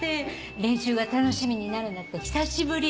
練習が楽しみになるなんて久しぶり！